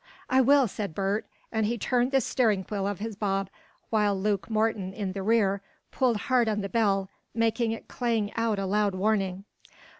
"I will," said Bert, and he turned the steering wheel of his bob while Luke Morton, in the rear, pulled hard on the bell, making it clang out a loud warning.